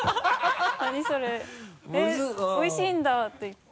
「えっおいしいんだ」って言って。